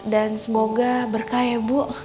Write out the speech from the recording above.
dan semoga berkaya bu